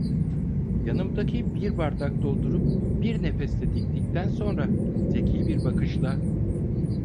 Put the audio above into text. Yanımdaki bir bardak doldurup bir nefeste diktikten sonra zeki bir bakışla: